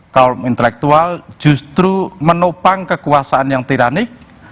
kaum intelektual justru menopang kekuasaan yang tiranik